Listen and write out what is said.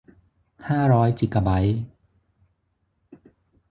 ห้าร้อยจิกะไบต์